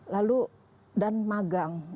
lalu dan magang